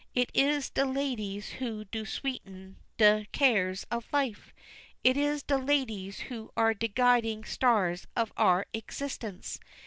It is de ladies who do sweeten de cares of life. It is de ladies who are de guiding stars of our existence.